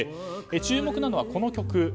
注目なのはこの曲。